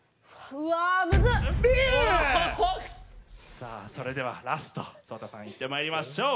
さあそれではラストＳＯＴＡさんいってまいりましょう。